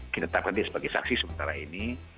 kita tetapkan dia sebagai saksi sementara ini